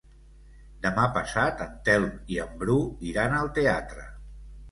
Demà passat en Telm i en Bru iran al teatre.